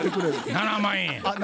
７万円や。